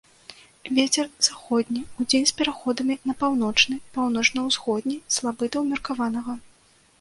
Вецер заходні, удзень з пераходам на паўночны, паўночна-ўсходні, слабы да ўмеркаванага.